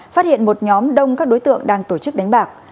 phát hiện một nhóm đông các đối tượng đang tổ chức đánh bạc